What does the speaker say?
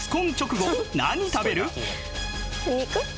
肉。